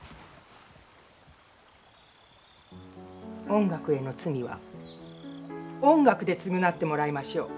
音楽への罪は音楽で償ってもらいましょう。